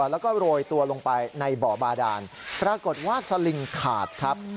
แล้วก็โรยตัวลงไปในบ่อบาดานปรากฏว่าสลิงขาดครับ